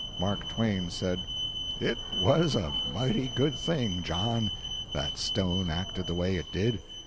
Mark Twain said: "It was a mighty good thing, John, that stone acted the way it did.